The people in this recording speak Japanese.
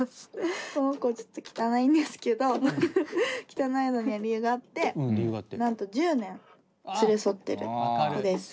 この子ちょっと汚いんですけど汚いのには理由があってなんと１０年連れ添ってる子です。